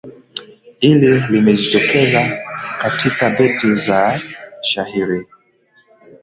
Hili limejitokeza katika beti za shairi